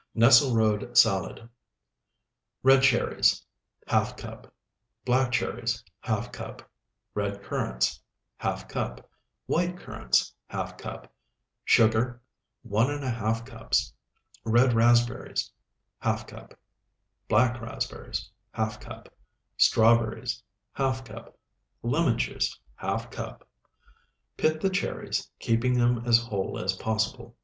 NESSLERODE SALAD Red cherries, ½ cup. Black cherries, ½ cup. Red currants, ½ cup. White currants, ½ cup. Sugar, 1½ cups. Red raspberries, ½ cup. Black raspberries, ½ cup. Strawberries, ½ cup. Lemon juice, ½ cup. Pit the cherries, keeping them as whole as possible.